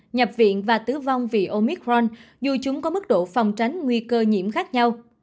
nhập viện và tứ vong vì omicron dù chúng có mức độ phòng tránh nguy cơ nhiễm khác nhau